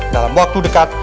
dalam waktu dekat